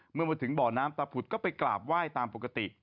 เมื่อมาถึงบ่อน้ำตาผุดก็ไปกราบไหว้ตามปกติ